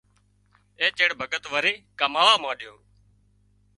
اين چيڙ ڀڳت وري ڪماوا مانڏيو